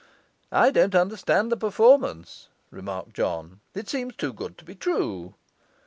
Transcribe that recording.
'I don't understand the performance,' remarked John. 'It seems too good to be true.